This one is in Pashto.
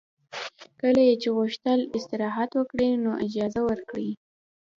کله یې چې غوښتل استراحت وکړي نو اجازه ورکړئ